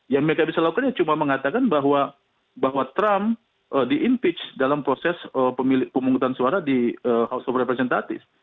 yang mereka bisa lakukan ya cuma mengatakan bahwa trump di impeach dalam proses pemungutan suara di house of representative